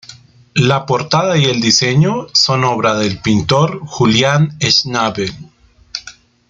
La portada y el diseño son obra del pintor Julian Schnabel.